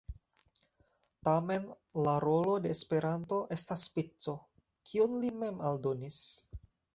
Tamen la rolo de Esperanto estas spico, kiun li mem aldonis.